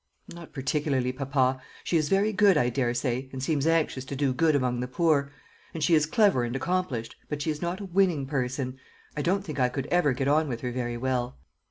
"Not particularly, papa. She is very good, I daresay, and seems anxious to do good among the poor; and she is clever and accomplished, but she is not a winning person. I don't think I could ever get on with her very well."